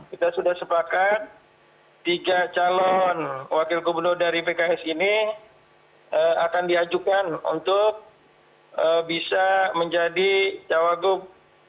kita sudah sepakat tiga calon wakil gubernur dari pks ini akan diajukan untuk bisa menjadi cawagup